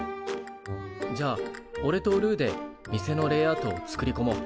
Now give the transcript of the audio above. じゃあおれとルーで店のレイアウトを作りこもう。